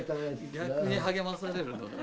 逆に励まされるの。